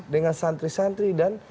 dengan santri santri dan